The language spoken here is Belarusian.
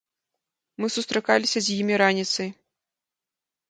Мы сустракаліся з імі раніцай.